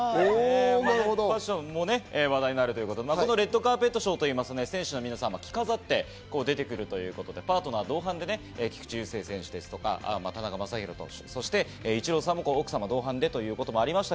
ファッションも話題ということでレッドカーペットショー、選手の皆さんが着飾って出てくるということで、パートナー同伴でね、菊池雄星選手や田中将大投手、イチローさんも奥様と同伴でということもありました。